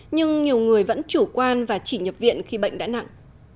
nhưng nhiều người vẫn chủ quan và chỉ nhập viện khi bệnh đã nặng